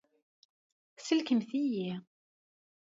Sellkemt-iyi.